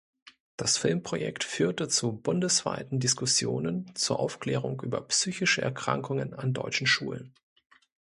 Das Filmprojekt führte zu bundesweiten Diskussionen zu Aufklärung über psychische Erkrankungen an deutschen Schulen.